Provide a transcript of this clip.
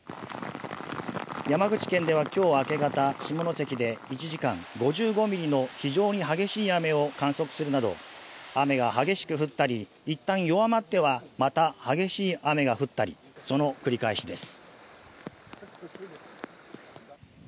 山口県ではきょう明け方、下関で１時間、５５ミリの非常に激しい雨を観測するなど、雨が激しく降ったり、いったん弱まっては、また激しい雨が降ったり、その繰り返しです。